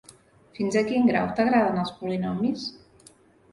Fins a quin grau t'agraden els polinomis?